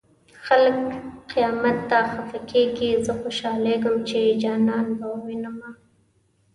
خلک قيامت ته خفه کيږي زه خوشالېږم چې جانان به ووينمه